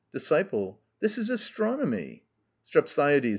_) DISCIPLE. That is astronomy. STREPSIADES.